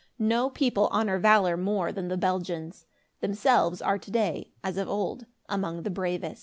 No people honor valor more than the Belgians. Themselves are to day, as of old, among the bravest.